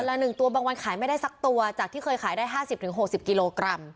ละ๑ตัวบางวันขายไม่ได้สักตัวจากที่เคยขายได้๕๐๖๐กิโลกรัม